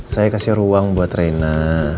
saya kasih ruang buat reina